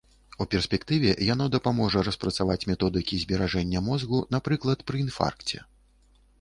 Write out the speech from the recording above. У перспектыве яно дапаможа распрацаваць методыкі зберажэння мозгу, напрыклад, пры інфаркце.